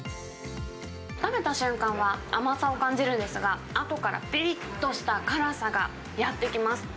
食べた瞬間は甘さを感じるんですが、あとからぴりっとした辛さがやって来ます。